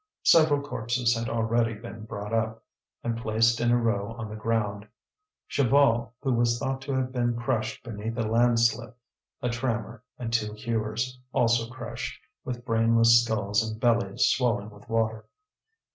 Several corpses had already been brought up, and placed in a row on the ground: Chaval, who was thought to have been crushed beneath a landslip, a trammer, and two hewers, also crushed, with brainless skulls and bellies swollen with water.